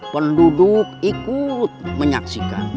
penduduk ikut menyaksikan